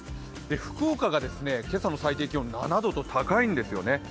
福岡が今朝の最低気温７度と高いんですよね。